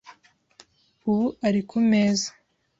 Ubu ari ku meza .